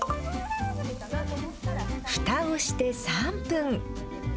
ふたをして３分。